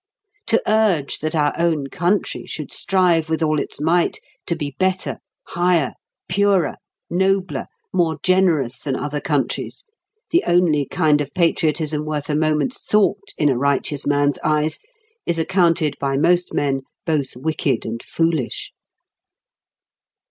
To urge that our own country should strive with all its might to be better, higher, purer, nobler, more generous than other countries—the only kind of patriotism worth a moment's thought in a righteous man's eyes, is accounted by most men both wicked and foolish.